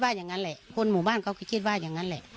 อย่างนั้นแหละคนหมู่บ้านเขาก็คิดว่าอย่างนั้นแหละ